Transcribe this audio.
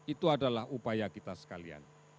itu adalah upaya kita sekalian